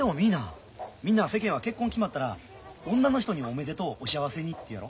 みんなは世間は結婚決まったら女の人に「おめでとう」「お幸せに」って言うやろ。